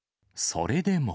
それでも。